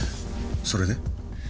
それで？